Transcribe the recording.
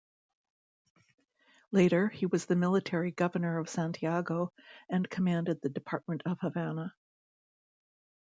Later he was the military governor of Santiago and commanded the Department of Havana.